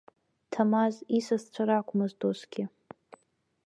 Ҭамаз исасцәа ракәмызт усгьы.